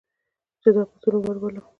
چې دا پسونه ور ولم.